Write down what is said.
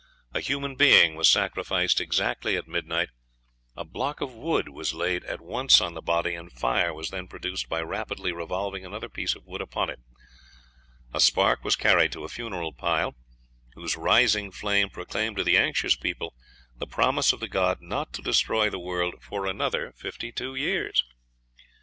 A human being was sacrificed exactly at midnight; a block of wood was laid at once on the body, and fire was then produced by rapidly revolving another piece of wood upon it; a spark was carried to a funeral pile, whose rising flame proclaimed to the anxious people the promise of the god not to destroy the world for another fifty two years.